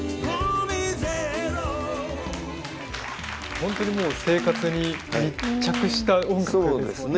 本当にもう生活に密着した音楽ですもんね。